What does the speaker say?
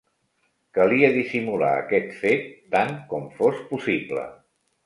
Calia dissimular aquest fet tant com fos possible.